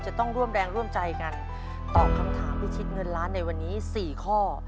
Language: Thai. จะต้องร่วมแรงร่วมใจกันตอบคำถามพิชิตเงินล้านในวันนี้๔ข้อ